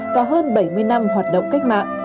và hơn bảy mươi năm hoạt động cách mạng